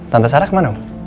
tante sarah kemana om